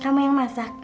kamu yang masak